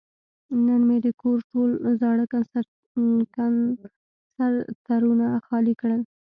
نن مې د کور ټول زاړه کنسترونه خالي کړل.